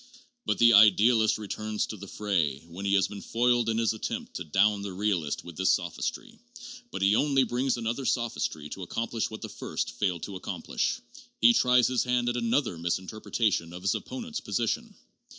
But the idealist returns to the fray, when he has been foiled in his attempt to down the realist with this sophistry, but he only brings another sophistry to accomplish what the first failed to ac complish. He tries his hand at another misinterpretation of his opponent's position.